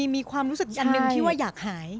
มีความรู้สึกอันหนึ่งที่ว่าอยากหาย